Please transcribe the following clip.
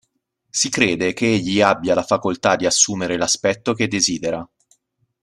Si crede che egli abbia la facoltà di assumere l'aspetto che desidera.